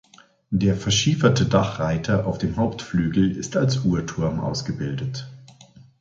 Der verschieferte Dachreiter auf dem Hauptflügel ist als Uhrturm ausgebildet.